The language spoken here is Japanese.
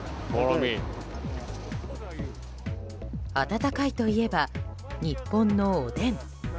温かいといえば日本のおでん。